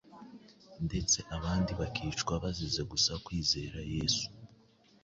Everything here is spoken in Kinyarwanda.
ndetse abandi bakicwa bazira gusa kwizera Yesu;